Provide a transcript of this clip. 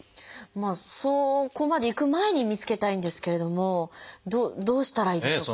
そこまでいく前に見つけたいんですけれどもどうしたらいいでしょうか？